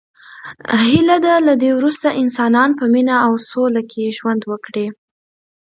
هیله ده له دی وروسته انسانان په مینه او سوله کې ژوند وکړي.